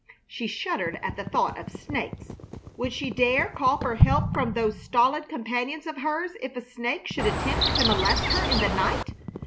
She shuddered at the thought of snakes. Would she dare call for help from those stolid companions of hers if a snake should attempt to molest her in the night?